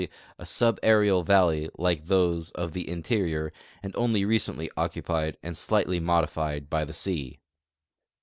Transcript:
}^ a subaerial valley like those of the interior and onl}" recently occupied and slightly modified by the sea.